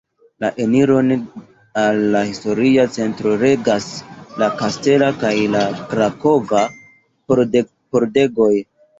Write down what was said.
La eniron al la historia centro regas la Kastela kaj la Krakova Pordegoj.